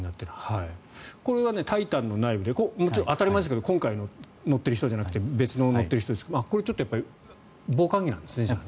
これは「タイタン」の内部で当たり前ですけど今回乗っている人じゃなくて別の乗っている人ですがこれ、ちょっと防寒着なんですね。